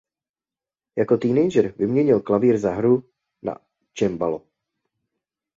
Jako teenager vyměnil klavír za hru na cembalo.